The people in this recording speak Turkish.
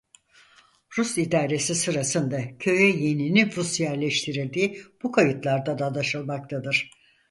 Rus idaresi sırasında köye yeni nüfus yerleştirildiği bu kayıtlardan anlaşılmaktadır.